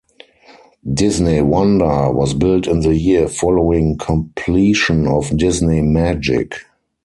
"Disney Wonder" was built in the year following completion of "Disney Magic".